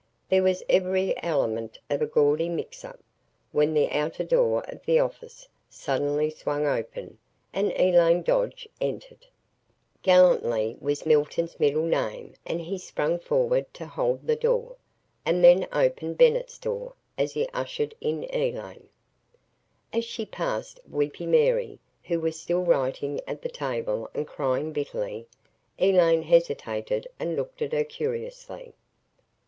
There was every element of a gaudy mix up, when the outer door of the office suddenly swung open and Elaine Dodge entered. Gallantry was Milton's middle name and he sprang forward to hold the door, and then opened Bennett's door, as he ushered in Elaine. As she passed "Weepy Mary," who was still writing at the table and crying bitterly, Elaine hesitated and looked at her curiously.